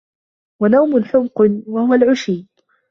وَنَوْمُ حُمْقٍ وَهُوَ الْعَشِيُّ